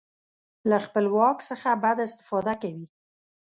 له خپل واک څخه بده استفاده کوي.